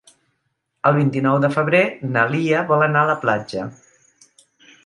El vint-i-nou de febrer na Lia vol anar a la platja.